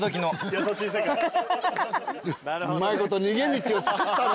うまいこと逃げ道を作ったね。